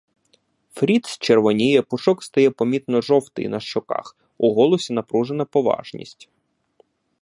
Фріц червоніє, пушок стає помітно жовтий на щоках, у голосі напружена поважність.